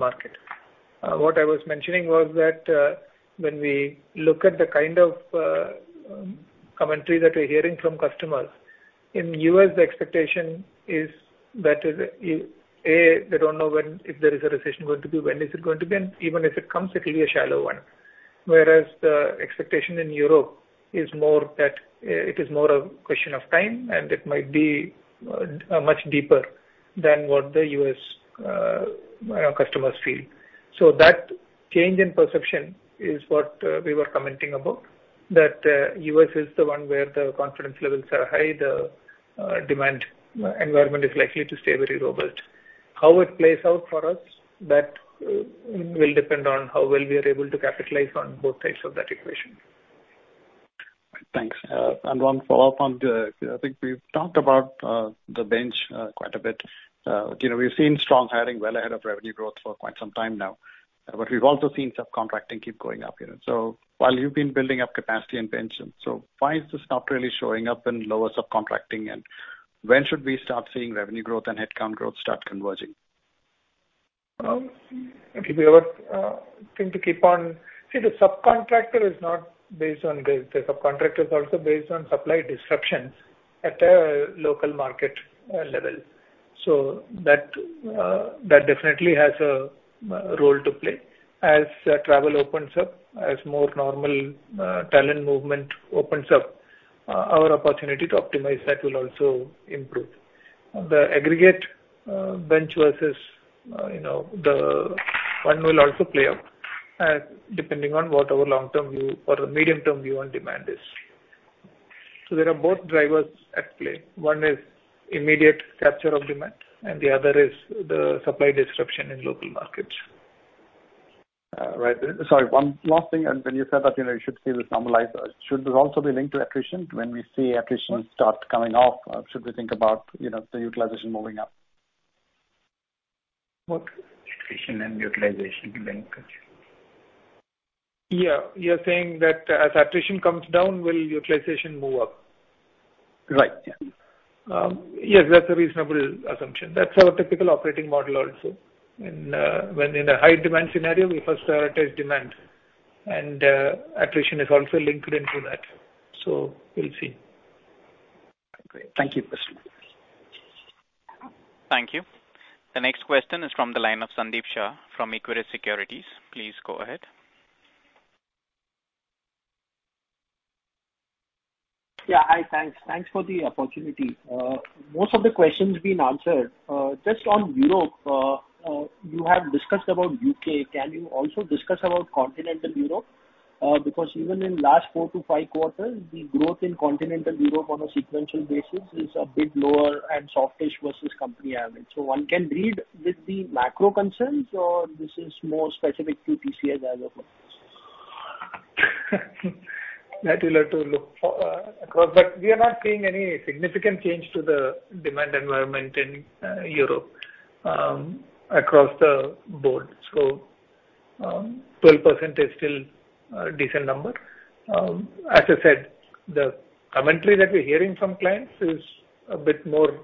your- What I was mentioning was that, when we look at the kind of commentary that we're hearing from customers, in U.S. the expectation is that they don't know when, if there is a recession going to be, when is it going to be, and even if it comes, it'll be a shallow one. Whereas the expectation in Europe is more that it is more a question of time, and it might be much deeper than what the U.S., you know, customers feel. That change in perception is what we were commenting about, that U.S. is the one where the confidence levels are high. The demand environment is likely to stay very robust. How it plays out for us, that, will depend on how well we are able to capitalize on both sides of that equation. Thanks. One follow-up. I think we've talked about the bench quite a bit. You know, we've seen strong hiring well ahead of revenue growth for quite some time now. We've also seen subcontracting keep going up, you know. While you've been building up capacity and bench, why is this not really showing up in lower subcontracting? When should we start seeing revenue growth and headcount growth start converging? The subcontractor is not based on this. The subcontractor is also based on supply disruptions at a local market level. That definitely has a role to play. As travel opens up, as more normal talent movement opens up, our opportunity to optimize that will also improve. The aggregate bench versus, you know, the one will also play out, depending on what our long-term view or medium-term view on demand is. There are both drivers at play. One is immediate capture of demand, and the other is the supply disruption in local markets. Right. Sorry, one last thing. When you said that, you know, you should see this normalize, should there also be a link to attrition? When we see attrition start coming off, should we think about, you know, the utilization moving up? What? Attrition and utilization linkage. Yeah. You're saying that as attrition comes down, will utilization move up? Right. Yeah. Yes, that's a reasonable assumption. That's our typical operating model also. When in a high demand scenario, we first prioritize demand. Attrition is also linked into that. We'll see. Great. Thank you. Thank you. The next question is from the line of Sandeep Shah from Equirus Securities. Please go ahead. Yeah. Hi, thanks for the opportunity. Most of the questions been answered. Just on Europe, you have discussed about U.K. Can you also discuss about Continental Europe? Because even in last 4-5 quarters, the growth in Continental Europe on a sequential basis is a bit lower and softish versus company average. One can read with the macro concerns or this is more specific to TCS as of now. That we'll have to look across, but we are not seeing any significant change to the demand environment in Europe, across the board. 12% is still a decent number. As I said, the commentary that we're hearing from clients is a bit more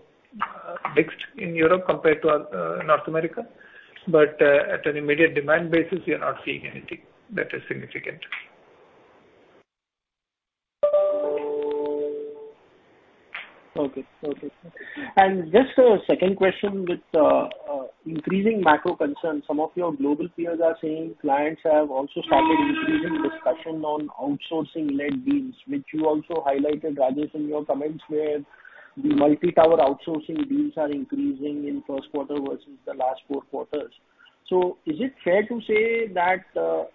mixed in Europe compared to North America. At an immediate demand basis, we are not seeing anything that is significant. Okay. Just a second question with increasing macro concerns, some of your global peers are saying clients have also started increasing discussion on outsourcing-led deals, which you also highlighted, Rajesh, in your comments, where the multi-tower outsourcing deals are increasing in first quarter versus the last four quarters. Is it fair to say that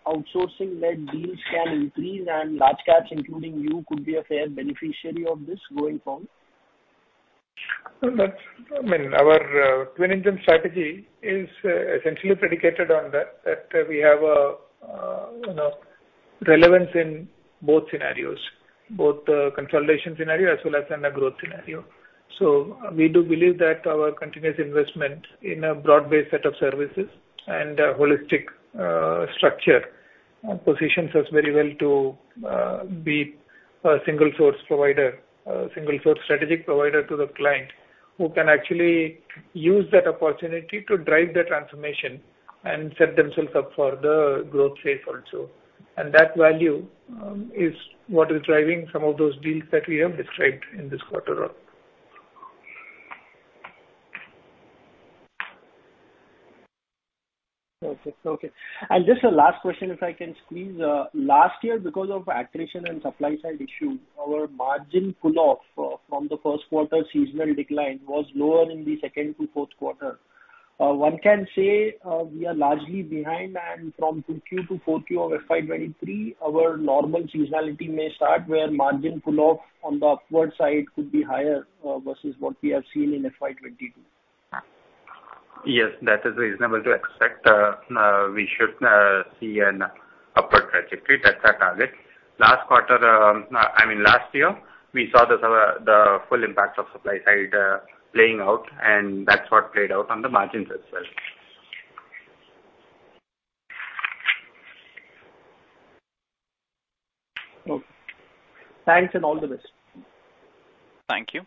outsourcing-led deals can increase and large caps, including you, could be a fair beneficiary of this going forward? Well, I mean, our twin engine strategy is essentially predicated on that we have a you know, relevance in both scenarios, both the consolidation scenario as well as in the growth scenario. We do believe that our continuous investment in a broad-based set of services and a holistic structure positions us very well to be a single source provider, a single source strategic provider to the client, who can actually use that opportunity to drive the transformation and set themselves up for the growth phase also. That value is what is driving some of those deals that we have described in this quarter up. Just a last question, if I can squeeze. Last year, because of attrition and supply side issue, our margin pull-off from the first quarter seasonal decline was lower in the second to fourth quarter. One can say, we are largely behind and from 2Q to 4Q of FY 2023, our normal seasonality may start where margin pull-off on the upward side could be higher versus what we have seen in FY 2022. Yes, that is reasonable to expect. We should see an upward trajectory. That's our target. Last quarter, I mean, last year, we saw the full impact of supply side playing out, and that's what played out on the margins as well. Okay. Thanks, and all the best. Thank you.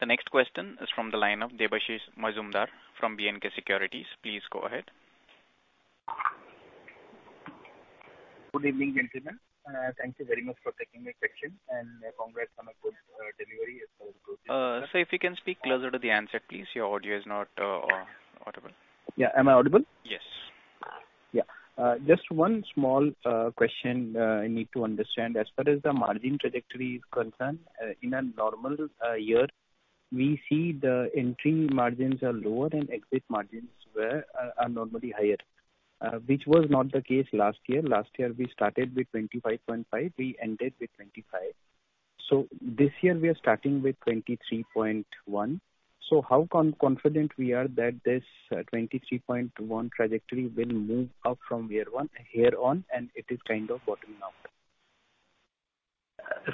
The next question is from the line of Debashish Mazumdar from B&K Securities. Please go ahead. Good evening, gentlemen. Thank you very much for taking my question, and congrats on a good delivery as well. Sir, if you can speak closer to the answer, please. Your audio is not audible. Yeah. Am I audible? Yes. Yeah. Just one small question, I need to understand. As far as the margin trajectory is concerned, in a normal year, we see the entry margins are lower and exit margins are normally higher, which was not the case last year. Last year, we started with 25.5%. We ended with 25%. This year, we are starting with 23.1%. How confident we are that this 23.1% trajectory will move up from year one here on, and it is kind of bottoming out?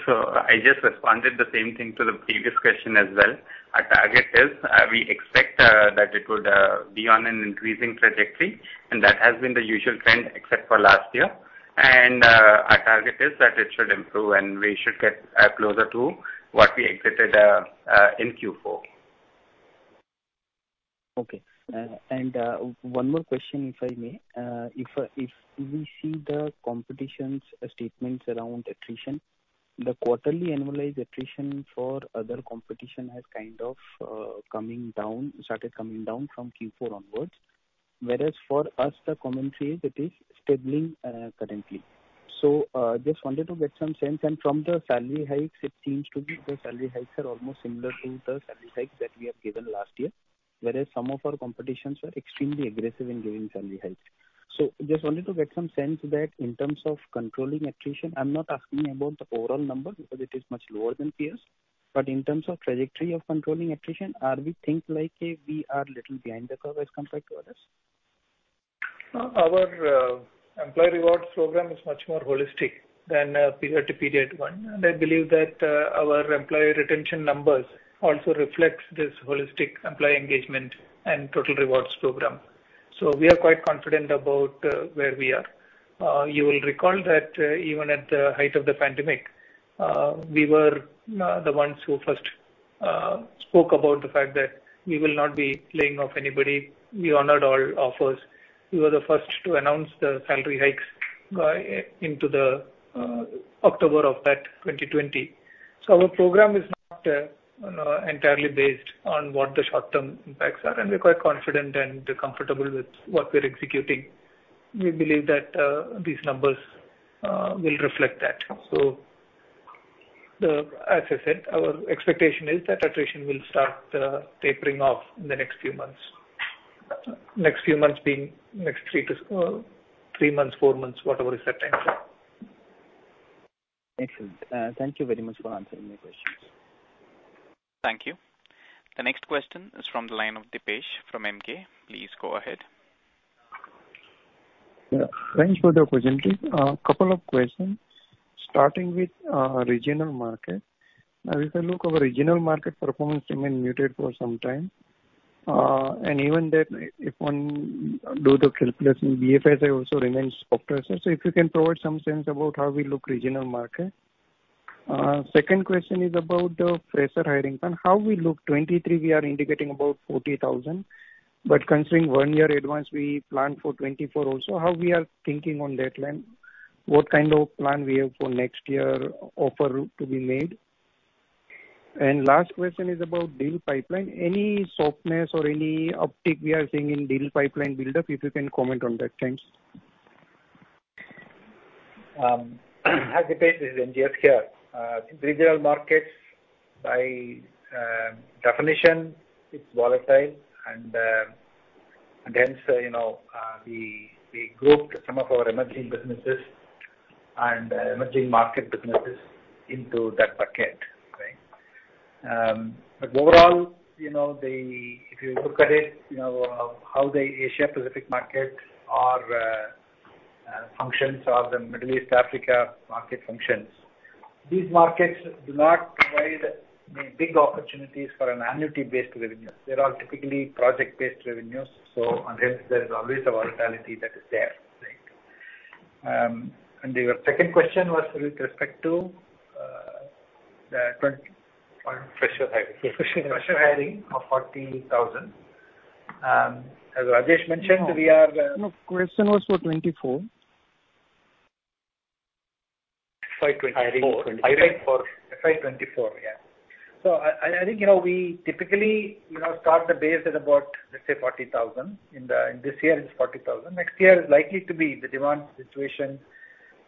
I just responded the same thing to the previous question as well. Our target is, we expect, that it would be on an increasing trajectory, and that has been the usual trend except for last year. Our target is that it should improve, and we should get closer to what we exited in Q4. Okay. One more question, if I may. If we see the competition's statements around attrition. The quarterly annualized attrition for other competition has kind of coming down, started coming down from Q4 onwards. Whereas for us, the commentary is it is stable currently. Just wanted to get some sense. From the salary hikes, it seems to be the salary hikes are almost similar to the salary hikes that we have given last year, whereas some of our competitions are extremely aggressive in giving salary hikes. Just wanted to get some sense that in terms of controlling attrition, I'm not asking about the overall number because it is much lower than peers, but in terms of trajectory of controlling attrition, are we think like, we are little behind the curve as compared to others? Our employee rewards program is much more holistic than a period-to-period one. I believe that our employee retention numbers also reflects this holistic employee engagement and total rewards program. We are quite confident about where we are. You will recall that even at the height of the pandemic we were the ones who first spoke about the fact that we will not be laying off anybody. We honored all offers. We were the first to announce the salary hikes in the October of that 2020. Our program is not entirely based on what the short-term impacts are, and we're quite confident and comfortable with what we're executing. We believe that these numbers will reflect that. As I said, our expectation is that attrition will start tapering off in the next few months. Next few months being three to four months, whatever that time frame is. Excellent. Thank you very much for answering my questions. Thank you. The next question is from the line of Dipesh from Emkay. Please go ahead. Yeah, thanks for the opportunity. A couple of questions starting with regional market. Now, if I look over regional market performance remain muted for some time. And even that if one do the skill placement, BFSI also remains softer. If you can provide some sense about how we look regional market. Second question is about the fresher hiring. How we look 2023, we are indicating about 40,000, but considering one year advance, we plan for 2024 also. How we are thinking on that line? What kind of plan we have for next year offer to be made? Last question is about deal pipeline. Any softness or any uptick we are seeing in deal pipeline buildup, if you can comment on that. Thanks. Hi, Dipesh, this is NGS here. Regional markets by definition, it's volatile and hence, you know, we grouped some of our emerging businesses and emerging market businesses into that bucket, right? Overall, you know, if you look at it, you know, how the Asia Pacific market or functions or the Middle East, Africa market functions. These markets do not provide many big opportunities for an annuity-based revenue. They are typically project-based revenues, so and hence there is always a volatility that is there, right? Your second question was with respect to the twen- Freshers hiring. Freshers hiring of 40,000. As Rajesh mentioned, we are- No. No, question was for 2024. Hiring for 2024. Hiring for 2024. Hiring for 2024. I think, you know, we typically, you know, start the base at about, let's say 40,000. In this year, it's 40,000. Next year is likely to be the demand situation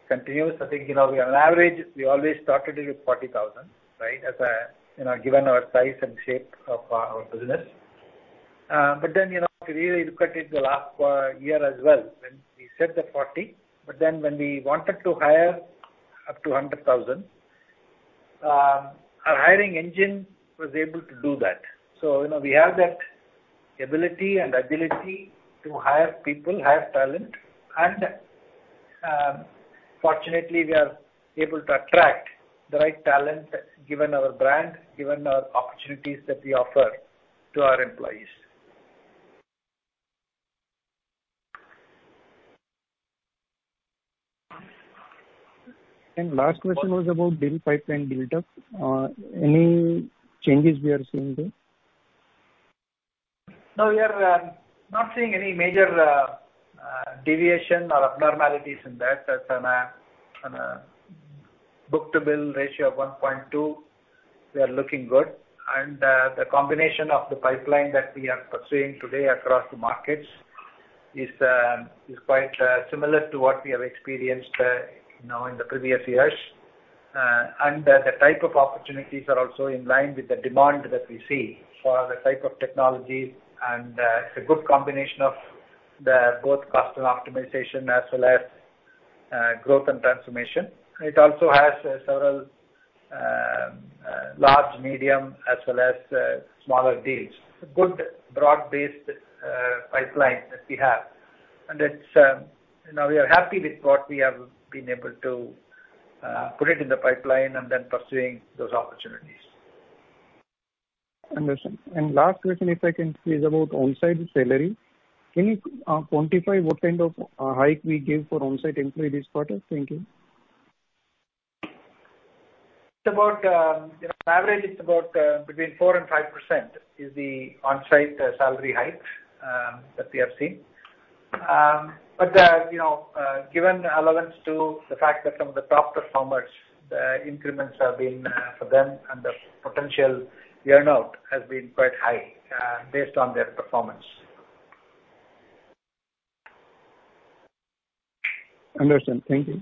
continues. I think, you know, we on average always started it with 40,000, right? As a, you know, given our size and shape of our business. But then, you know, if you really look at it the last year as well, when we set the 40,000, but then when we wanted to hire up to 100,000, our hiring engine was able to do that. We have that ability and agility to hire people, hire talent, and, fortunately, we are able to attract the right talent given our brand, given our opportunities that we offer to our employees. Last question was about deal pipeline buildup. Any changes we are seeing there? No, we are not seeing any major deviation or abnormalities in that. That's on a book-to-bill ratio of 1.2. We are looking good. The combination of the pipeline that we are pursuing today across the markets is quite similar to what we have experienced, you know, in the previous years. The type of opportunities are also in line with the demand that we see for the type of technologies and it's a good combination of both cost and optimization as well as growth and transformation. It also has several large, medium, as well as smaller deals. A good broad-based pipeline that we have. It's, you know, we are happy with what we have been able to put it in the pipeline and then pursuing those opportunities. Understand. Last question, if I can, is about onsite salary. Can you quantify what kind of hike we give for onsite employee this quarter? Thank you. It's about, you know, on average, between 4% and 5% is the onsite salary hike that we have seen. You know, given allowance to the fact that some of the top performers, the increments have been for them, and the potential earn-out has been quite high, based on their performance. Understand. Thank you.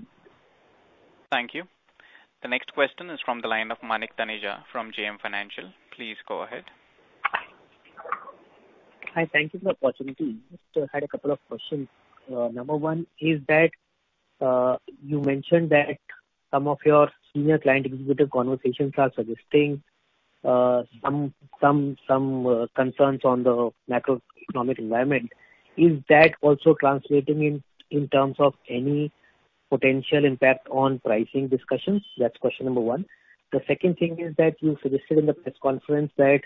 Thank you. The next question is from the line of Manik Taneja from JM Financial. Please go ahead. Hi, thank you for the opportunity. Just had a couple of questions. Number one is that you mentioned that some of your senior client executive conversations are suggesting some concerns on the macroeconomic environment. Is that also translating in terms of any potential impact on pricing discussions? That's question number one. The second thing is that you suggested in the press conference that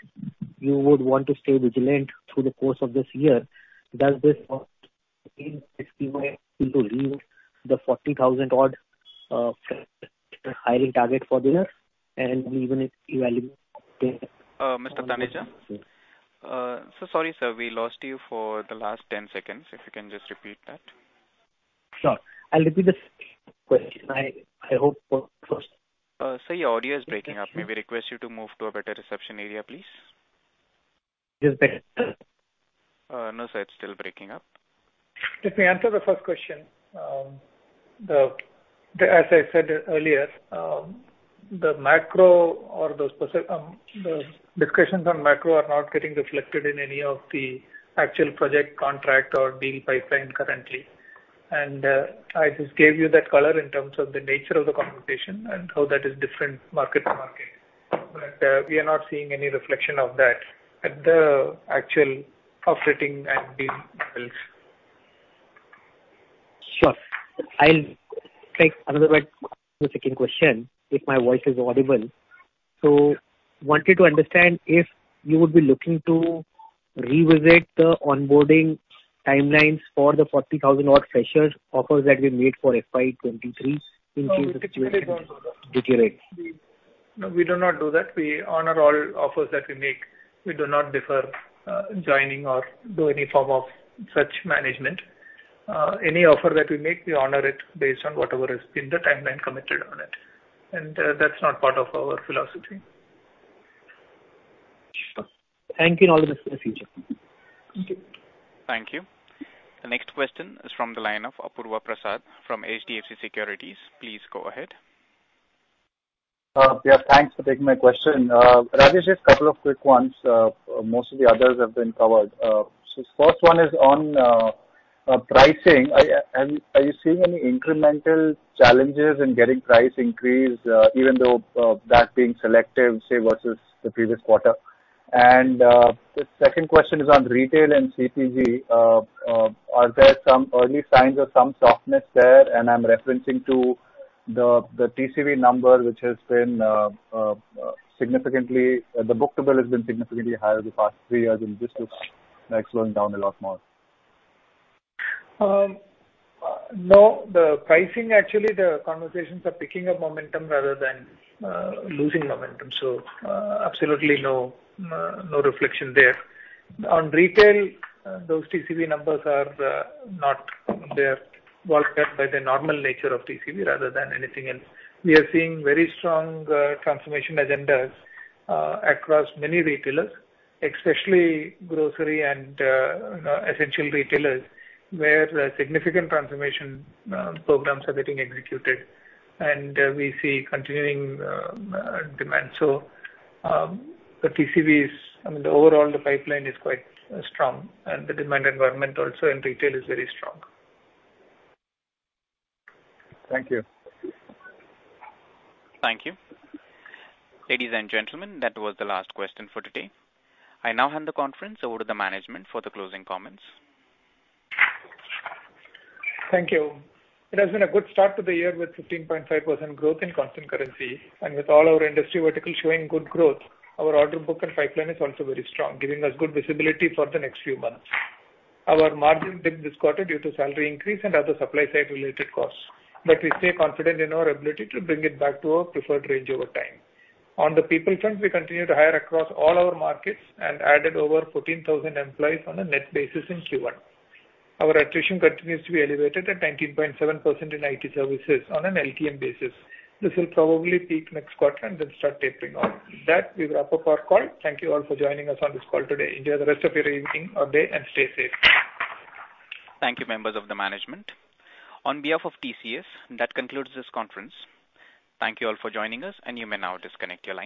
you would want to stay vigilant through the course of this year. Does this the 40,000-odd hiring target for this? And even if you evaluate- Mr. Taneja. Sorry, sir, we lost you for the last 10 seconds, if you can just repeat that. Sure. I'll repeat the question. I hope. Sir, your audio is breaking up. May we request you to move to a better reception area, please? Is this better? No, sir, it's still breaking up. Let me answer the first question. As I said earlier, the discussions on macro are not getting reflected in any of the actual project contract or deal pipeline currently. I just gave you that color in terms of the nature of the conversation and how that is different market to market. We are not seeing any reflection of that at the actual offsetting and deal levels. Sure. I'll take the second question, if my voice is audible. Wanted to understand if you would be looking to revisit the onboarding timelines for the 40,000-odd freshers offers that we made for FY 2023 in case the situation deteriorates. No, we do not do that. We honor all offers that we make. We do not defer, joining or do any form of such management. Any offer that we make, we honor it based on whatever has been the timeline committed on it. That's not part of our philosophy. Sure. Thank you, and I'll listen in the future. Thank you. Thank you. The next question is from the line of Apurva Prasad from HDFC Securities. Please go ahead. Yeah, thanks for taking my question. Rajesh, just a couple of quick ones. Most of the others have been covered. First one is on pricing. Are you seeing any incremental challenges in getting price increase, even though that being selective, say, versus the previous quarter? The second question is on retail and CPG. Are there some early signs of some softness there? I'm referencing to the TCV number, which has been significantly higher the past three years, and the bookable has been significantly higher the past three years, and this is, like, slowing down a lot more. No. The pricing, actually, the conversations are picking up momentum rather than losing momentum. Absolutely no reflection there. On retail, those TCV numbers are not... They're bulked up by the normal nature of TCV rather than anything else. We are seeing very strong transformation agendas across many retailers, especially grocery and you know, essential retailers, where significant transformation programs are getting executed. We see continuing demand. The TCVs, I mean, the overall pipeline is quite strong. The demand environment also in retail is very strong. Thank you. Thank you. Ladies and gentlemen, that was the last question for today. I now hand the conference over to the management for the closing comments. Thank you. It has been a good start to the year with 15.5% growth in constant currency. With all our industry verticals showing good growth, our order book and pipeline is also very strong, giving us good visibility for the next few months. Our margin dipped this quarter due to salary increase and other supply side related costs, but we stay confident in our ability to bring it back to our preferred range over time. On the people front, we continue to hire across all our markets and added over 14,000 employees on a net basis in Q1. Our attrition continues to be elevated at 19.7% in IT services on an LTM basis. This will probably peak next quarter and then start tapering off. With that, we wrap up our call. Thank you all for joining us on this call today. Enjoy the rest of your evening or day and stay safe. Thank you, members of the management. On behalf of TCS, that concludes this conference. Thank you all for joining us, and you may now disconnect your lines.